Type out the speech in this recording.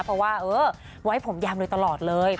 เพราะว่าเออไว้ผมยามโดยตลอดเลย